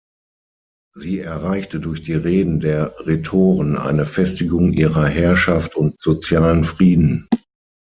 Sie erreichte durch die Reden der Rhetoren eine Festigung ihrer Herrschaft und sozialen Frieden.